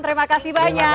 terima kasih banyak